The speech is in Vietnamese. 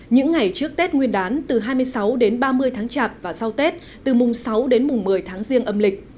những ngày trước tết nguyên đán từ hai mươi sáu đến ba mươi tháng chạp và sau tết từ mùng sáu đến mùng một mươi tháng riêng âm lịch